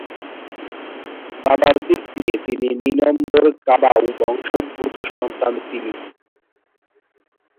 বাবার দিক দিয়ে তিনি মিনম্বরকাবাউ বংশোদ্ভূত সন্তান তিনি।